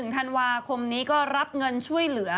ธันวาคมนี้ก็รับเงินช่วยเหลือ